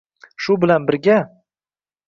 shu bilan birga